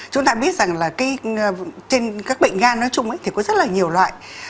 chúng ta biết rằng là trên các bệnh gan nói chung thì có rất là nhiều loại